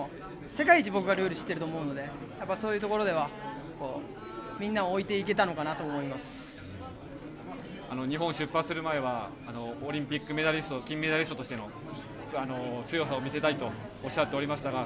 世界一僕がルールを知っていると思うのでそういったところではみんなを日本を出発する前はオリンピックメダリスト金メダリストとしての強さを見せたいと仰っておりましたが。